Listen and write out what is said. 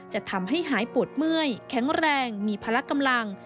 จะทำให้หายปวดเมื่อยแข็งแรงมีพละกำลัง